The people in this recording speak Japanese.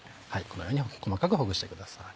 このように細かくほぐしてください。